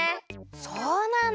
そうなんだ！